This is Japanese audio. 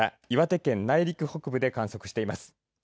岩手県内陸北部で観測しています。